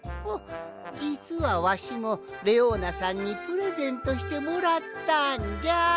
じつはわしもレオーナさんにプレゼントしてもらったんじゃ！